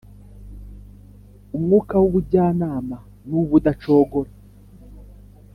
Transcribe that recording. umwuka w’ubujyanama n’uw’ubudacogora,